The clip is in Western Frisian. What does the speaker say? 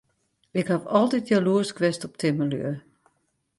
Ik haw altyd jaloersk west op timmerlju.